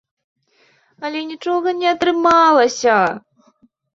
Але нічога не атрымалася.